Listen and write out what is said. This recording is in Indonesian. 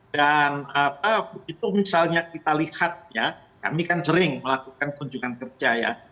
dan apa itu misalnya kita lihat ya kami kan sering melakukan kunjungan kerja ya